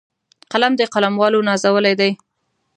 قلم د قلموالو نازولی دی